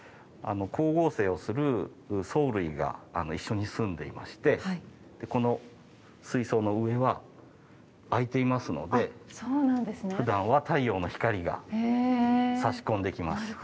光合成をする藻類が一緒に住んでいましてこの水槽の上は開いていますのでふだんは太陽の光がさし込んできます。